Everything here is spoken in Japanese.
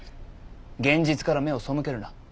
現実から目を背けるな。